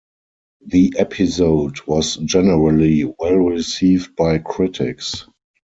The episode was generally well received by critics.